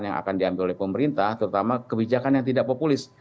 yang akan diambil oleh pemerintah terutama kebijakan yang tidak populis